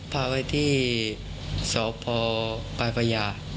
พาไปที่สพปรายภรรยาสกวี